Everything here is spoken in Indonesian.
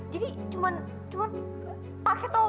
jika ada apa apa